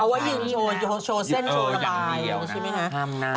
ว่ายืนโชว์เส้นโชว์ระบายใช่ไหมคะ